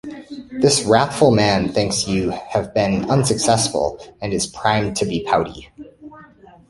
This wrathful man thinks you have been unsuccessful, and is primed to be pouty.